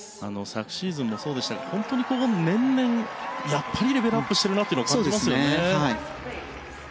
昨シーズンもそうでしたが本当に年々やっぱりレベルアップしているなと感じますよね。